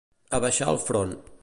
Abaixar el front.